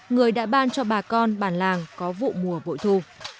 người đã ban cho bà con bản làng có vụ mùa bội thu